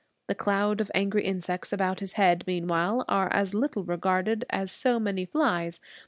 The clouds of angry insects about his head meanwhile are as little regarded as so many flies.